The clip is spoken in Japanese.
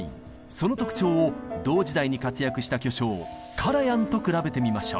その特徴を同時代に活躍した巨匠カラヤンと比べてみましょう。